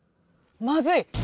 まずい！